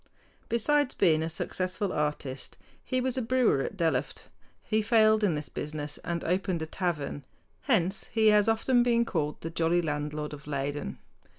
Besides being a successful artist, he was a brewer at Delft. He failed in this business and opened a tavern. Hence he has often been called "the jolly landlord of Leyden."